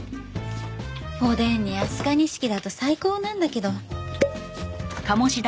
おでんに飛鳥錦だと最高なんだけど。